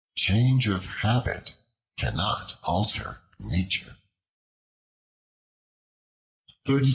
Change of habit cannot alter Nature.